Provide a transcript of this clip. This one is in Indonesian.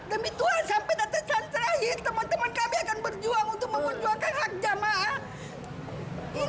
demi tuhan sampai datang saat terakhir teman teman kami akan berjuang untuk memenjuangkan hak jemaah